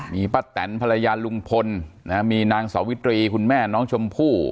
มีป้าแตนภรรยาลุงพลมีนางสาวิตรีคุณแม่น้องชมพู่